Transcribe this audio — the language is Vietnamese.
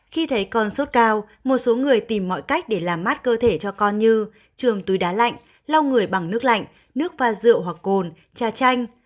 khi thấy con sốt cao một số người tìm mọi cách để làm mát cơ thể cho con như trường túi đá lạnh lau người bằng nước lạnh nước pha rượu hoặc cồn cha chanh